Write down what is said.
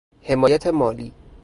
حمایت مالی